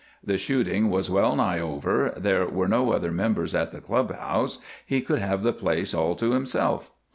The shooting was well nigh over; there were no other members at the club house; he would have the place all to himself.